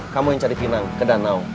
kamu yang cari pinang ke danau